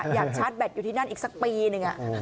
ชาร์จแบตอยู่ที่นั่นอีกสักปีหนึ่ง